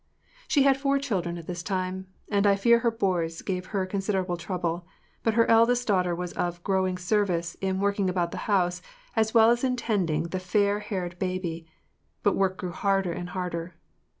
SHE had four children at this time and I fear her boys gave her considerable trouble, but her eldest daughter was of growing service in working about the house as well as in tending the fair haired baby, but work grew harder and harder.